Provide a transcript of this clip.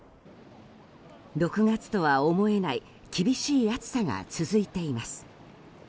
６月とは思えない厳しい暑さが続いています。